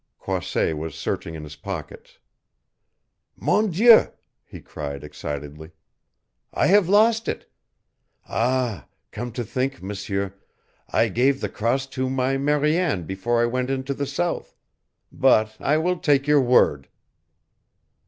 Croisset was searching in his pockets. "Mon Dieu!" he cried excitedly, "I have lost it! Ah, come to think, M'seur, I gave the cross to my Mariane before I went into the South, But I will take your word."